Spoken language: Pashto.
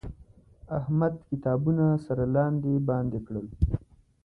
احمد کتابونه سره لاندې باندې کړل.